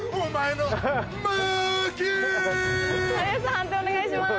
判定お願いします。